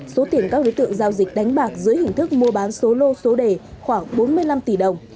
số tiền các đối tượng giao dịch đánh bạc dưới hình thức mua bán số lô số đề khoảng bốn mươi năm tỷ đồng